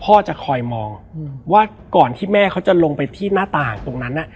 พ่อจะคอยมองว่าก่อนที่แม่เขาจะลงไปที่หน้าต่างตรงนั้น